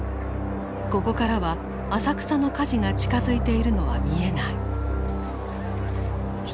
ここからは浅草の火事が近づいているのは見えない。